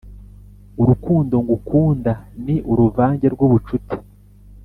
urukundo ngukunda ni uruvange rw'ubucuti,